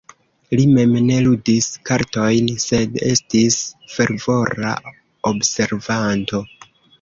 Li mem ne ludis kartojn, sed estis fervora observanto.